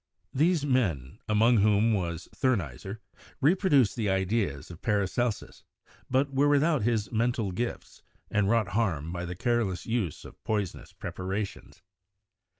These men, among whom was Thurneysser, re produced the ideas of Paracelsus, but were without his mental gifts and wrought harm by the careless use of poi sonous preparations.